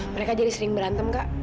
mereka jadi sering berantem kak